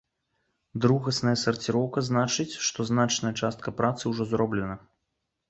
Другасная сарціроўка значыць, што значная частка працы ўжо зроблена.